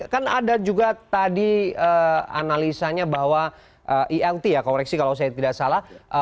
kan ada juga tadi analisanya bahwa elt ya koreksi kalau saya tidak salah